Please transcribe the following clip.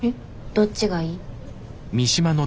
どっちがいい？